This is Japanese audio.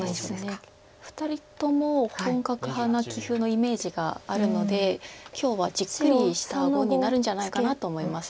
そうですね２人とも本格派な棋風のイメージがあるので今日はじっくりした碁になるんじゃないかなと思います。